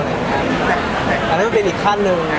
อันนั้นมันเป็นอีกขั้นหนึ่ง